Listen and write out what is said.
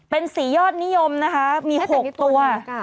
เป็นสียอดนิยมนะคะมี๖ตัว